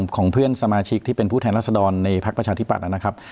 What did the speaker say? ของเพื่อนสมาชิกที่เป็นผู้แทนรัศดรในพักประชาธิบัตย์นะครับ